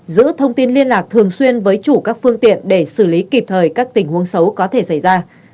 giữ thông tin liên lạc thường xuyên với chủ các phương tiện để xử lý kịp thời các tình huống xấu có thể xảy ra